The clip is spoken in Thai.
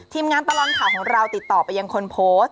งานตลอดข่าวของเราติดต่อไปยังคนโพสต์